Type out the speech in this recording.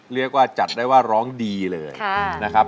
เรียกว่าจัดได้ว่าร้องดีเลยนะครับ